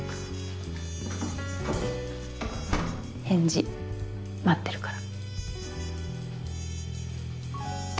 返事待ってるから。